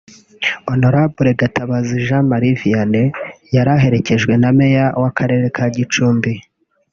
Hon Gatabazi Jean Marie Vianney yari aherekejwe na Meya w'akarere ka Gicumbi